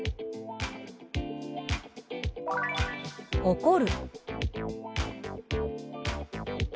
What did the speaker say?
「怒る」。